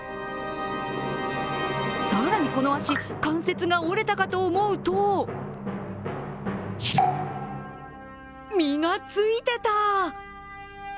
更にこの足、関節が折れたかと思うと身がついてた！